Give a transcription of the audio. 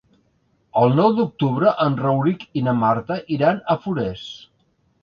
El nou d'octubre en Rauric i na Marta iran a Forès.